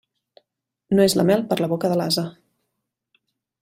No és la mel per a la boca de l'ase.